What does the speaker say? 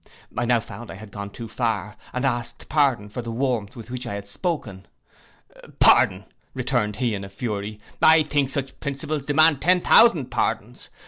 I now found I had gone too far, and asked pardon for the warmth with which I had spoken. 'Pardon,' returned he in a fury: 'I think such principles demand ten thousand pardons.